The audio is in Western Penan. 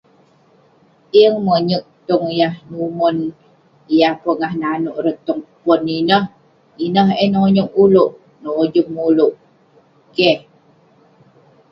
Yeng monyerk numon yah pongah nanouk ireh tong pon ineh. Ineh eh nonyerk ulouk, nojem ulouk. Keh.